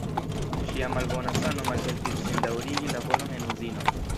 Ŝia malbona sano malhelpis ŝin daŭrigi laboron en uzino.